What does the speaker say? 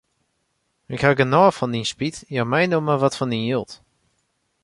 Ik haw genôch fan dyn spyt, jou my no wat fan dyn jild.